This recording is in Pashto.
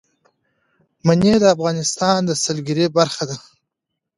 منی د افغانستان د سیلګرۍ برخه ده.